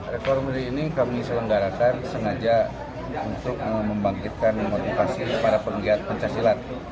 rekor muri ini kami selenggarakan sengaja untuk membangkitkan motivasi para penggiat pencaksilat